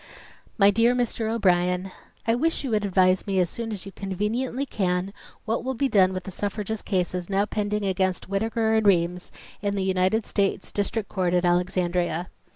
My dear Mr. O'Brien:— I wish you would advise me as soon as you conveniently can, what will be done with the suffragist cases now pending against Whittaker and Reams in the United States District Court at Alexandria.